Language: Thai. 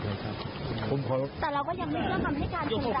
แต่เราก็ยังไม่เชื่อกับคำพิการคนร้ายใช่ไหมครับ